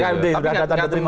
mkd sudah datang diterimanya